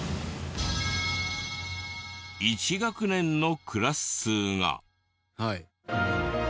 １学年のクラス数が。